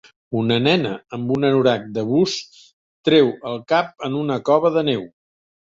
Una nena amb un anorac de bus treu el cap en una cova de neu.